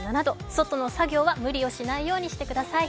外の作業は無理をしないようにしてください。